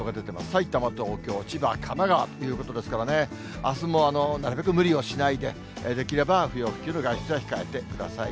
埼玉、東京、千葉、神奈川ということですからね、あすもなるべく無理をしないで、できれば不要不急の外出は控えてください。